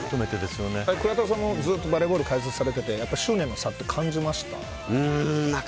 倉田さんもずっとバレーボールを解説されていて執念の差は感じましたか。